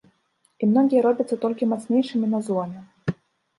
І многія робяцца толькі мацнейшымі на зломе.